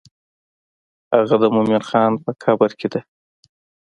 هغه د مومن خان په قبر کې ده.